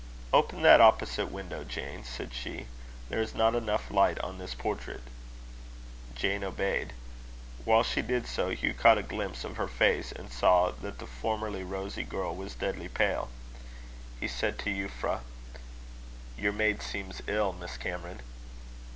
"Open that opposite window, Jane," said she; "there is not light enough on this portrait." Jane obeyed. While she did so, Hugh caught a glimpse of her face, and saw that the formerly rosy girl was deadly pale. He said to Euphra: "Your maid seems ill, Miss Cameron."